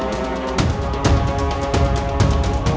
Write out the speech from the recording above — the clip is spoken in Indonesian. mencintai kamu rama